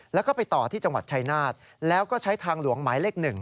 แล้วก็ไปต่อที่จังหวัดชายนาฏแล้วก็ใช้ทางหลวงหมายเลข๑